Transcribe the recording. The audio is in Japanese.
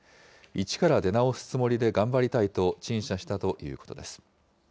一から出直すつもりで頑張りたいと陳謝したということです。